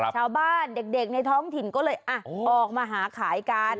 ชาวบ้านเด็กในท้องถิ่นก็เลยออกมาหาขายกัน